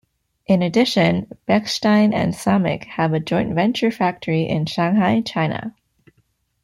In addition, Bechstein and Samick have a joint venture factory in Shanghai, China.